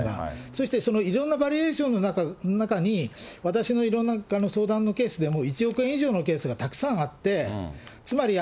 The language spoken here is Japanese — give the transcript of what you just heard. そしていろんなバリエーションの中に、私のいろんな相談のケースでも、１億円以上のケースがたくさんあって、つまり、